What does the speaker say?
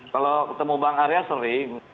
kalau ketemu bang arya sering